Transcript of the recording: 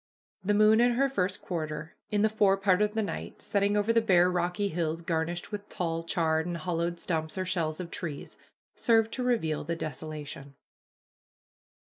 The moon in her first quarter, in the fore part of the night, setting over the bare rocky hills garnished with tall, charred, and hollow stumps or shells of trees, served to reveal the desolation.